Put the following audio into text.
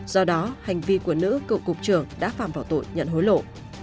do đó hành vi của nữ cựu cục trưởng đã phàm vào tội nhận hối lộ